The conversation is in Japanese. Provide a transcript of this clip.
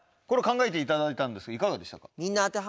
これ考えていただいたんですがいかがでしたか？